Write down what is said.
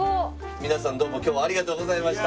皆さんどうも今日はありがとうございました。